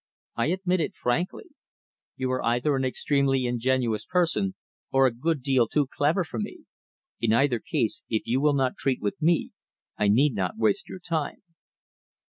I admit it frankly. You are either an extremely ingenuous person, or a good deal too clever for me. In either case, if you will not treat with me, I need not waste your time."